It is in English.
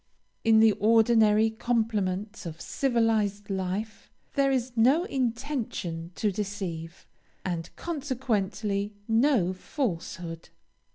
In the ordinary compliments of civilized life, there is no intention to deceive, and consequently no falsehood.